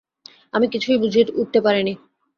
আমি কিছুই বুঝে উঠতে পারিনি।